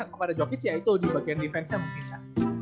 kepada jokic ya itu di bagian defense nya mungkin